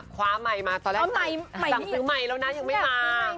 ขว้ามัยมาตอนแรกสั่งซื้อไหมแล้วหนัทยังดีมาก